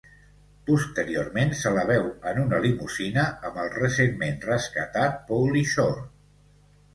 Posteriorment se la veu en una limusina amb el recentment rescatat Pauly Shore.